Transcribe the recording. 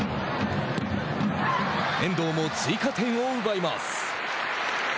遠藤も追加点を奪います。